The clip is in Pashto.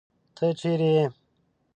تۀ چېرې ئې ؟